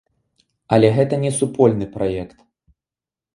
Але гэта не супольны праект.